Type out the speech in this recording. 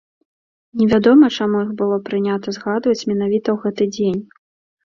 Невядома чаму іх было прынята згадваць менавіта ў гэты дзень.